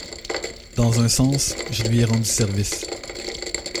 Dans un sens, je lui ai rendu service.